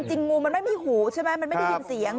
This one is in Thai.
งูมันไม่มีหูใช่ไหมมันไม่ได้ยินเสียง